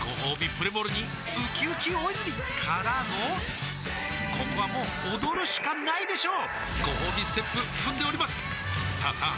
プレモルにうきうき大泉からのここはもう踊るしかないでしょうごほうびステップ踏んでおりますさあさあ